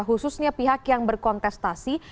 khususnya pihak yang berkontestasi